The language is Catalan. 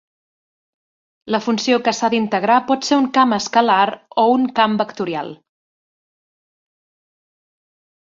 La funció que s'ha d'integrar pot ser un camp escalar o un camp vectorial.